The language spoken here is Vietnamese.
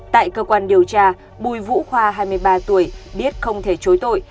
tại cơ quan điều tra bùi vũ khoa hai mươi ba tuổi biết không thể chối tội